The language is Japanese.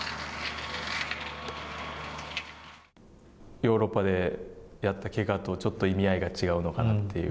ヨーロッパでやったけがと、ちょっと意味合いが違うのかなという。